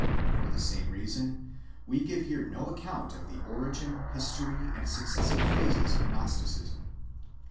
For the same reason, we give here no account of the origin, his tory, and successive phases of Gnosticism.